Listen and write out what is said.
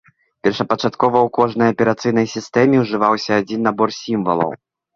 Першапачаткова ў кожнай аперацыйнай сістэме ўжываўся адзін набор сімвалаў.